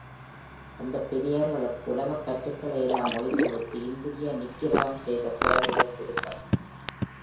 அந்தப் பெரியார்களுக்கு உலகப் பற்றுகளை எல்லாம் ஒழித்துவிட்டு, இந்திரிய நிக்கிரகம் செய்த துறவிகள் குருக்கள்.